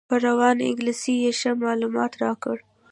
په روانه انګلیسي یې ښه معلومات راکړل.